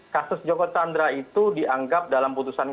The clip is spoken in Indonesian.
kasus joko chandra itu dianggap dalam putusan